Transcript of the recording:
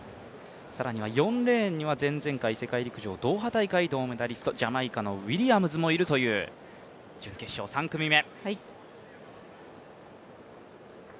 更には４レーンには前々回世界陸上ドーハ大会、銅メダリストジャマイカのウィリアムズもいるという準決勝３組目。